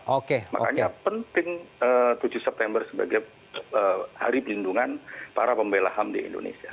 makanya penting tujuh september sebagai hari perlindungan para pembelahan ham di indonesia